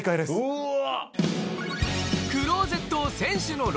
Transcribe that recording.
うわ！